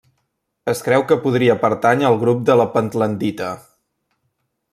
Es creu que podria pertànyer al grup de la pentlandita.